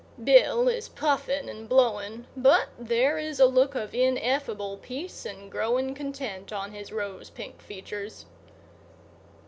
Bill is puffing and blowing, but there is a look of ineffable peace and growing content on his rose pink features.